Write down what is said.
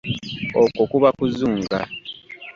Okwo kuba kuzunga.